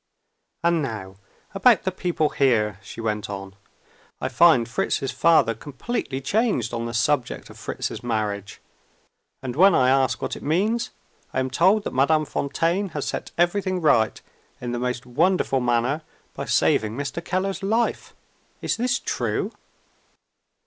"And now about the people here," she went on. "I find Fritz's father completely changed on the subject of Fritz's marriage. And when I ask what it means, I am told that Madame Fontaine has set everything right, in the most wonderful manner, by saving Mr. Keller's life. Is this true?"